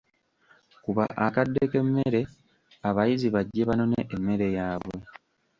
Kuba akadde k'emmere abayizi bajje banone emmere yaabwe.